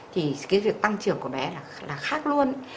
thì cái việc tăng trưởng của bé là khác luôn